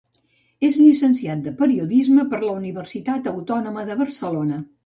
És llicenciat de periodisme per la Universitat Autònoma de Barcelona.